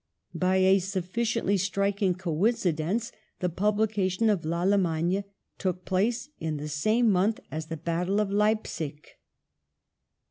By a sufficiently striking coincidence the publication of UAlle magne took place in the same month as the battle of Leipzic.